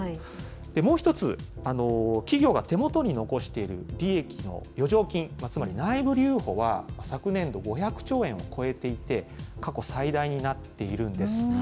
もう１つ、企業が手元に残している利益の余剰金、つまり内部留保は、昨年度、５００兆円を超えていて、過去最大になっているんです。